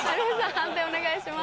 判定お願いします。